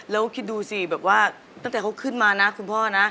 แล้วคิดดูสิแบบว่าตั้งแต่เขาขึ้นมานะคุณพ่อนะ